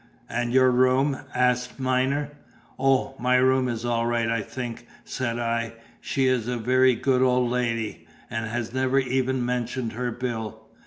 "And your room?" asked Myner. "O, my room is all right, I think," said I. "She is a very good old lady, and has never even mentioned her bill."